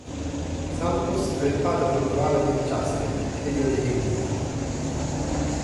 Santos è il padre naturale di Justin, figlio di Hilda.